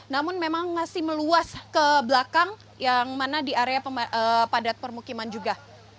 namun memang masih meluas ke belakang yang mana di area padat permukiman juga